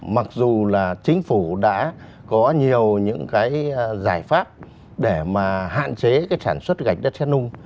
mặc dù là chính phủ đã có nhiều những cái giải pháp để mà hạn chế cái sản xuất gạch đất xét nung